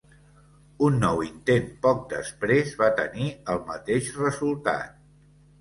Un nou intent poc després va tenir el mateix resultat.